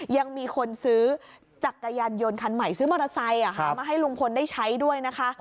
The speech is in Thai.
ยังมีคนซื้อจักรยานยนต์คันใหม่ซื้อมอเตอร์ไซค์มาให้ลุงพลได้ใช้ด้วยนะคะ